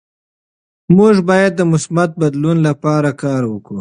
موږ باید د مثبت بدلون لپاره کار وکړو.